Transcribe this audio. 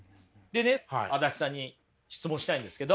でね足立さんに質問したいんですけど。